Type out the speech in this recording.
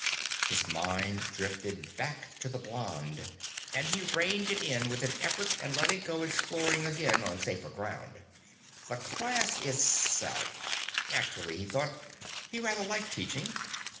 His mind drifted back to the blonde, and he reined it in with an effort and let it go exploring again on safer ground. The class itself ... actually, he thought, he rather liked teaching.